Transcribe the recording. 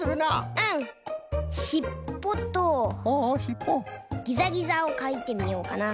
しっぽとギザギザをかいてみようかな。